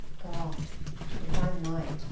God ! If I might !